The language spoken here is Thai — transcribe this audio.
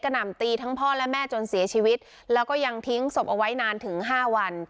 หนำตีทั้งพ่อและแม่จนเสียชีวิตแล้วก็ยังทิ้งศพเอาไว้นานถึงห้าวัน